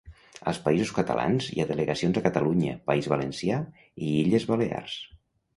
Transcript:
Als Països Catalans, hi ha delegacions a Catalunya, País Valencià i Illes Balears.